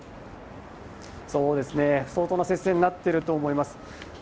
そうですね、相当な接戦になっていると思います。